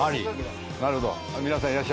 なるほど。